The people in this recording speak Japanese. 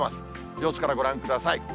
様子からご覧ください。